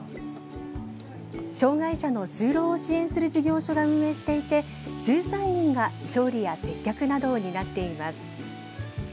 障害者の就労を支援する事業所が運営していて１３人が調理や接客などを担っています。